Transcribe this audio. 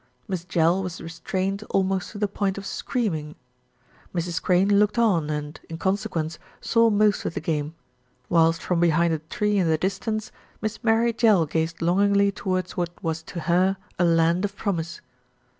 Miss Jell was restrained almost to the point of screaming. Mrs. Crane looked on and, in consequence, saw most of the game; whilst from behind a tree in the distance, Miss Mary Jell gazed longingly towards what was to her a land of promise.